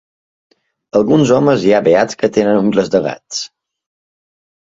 Alguns homes hi ha beats que tenen ungles de gats.